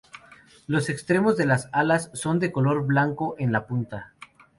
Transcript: Los extremos de las alas son de color blanco en la punta.